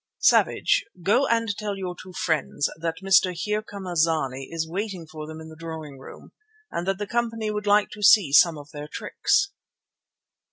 Savage, go and tell your two friends that Mr. Here come a zany is waiting for them in the drawing room, and that the company would like to see some of their tricks."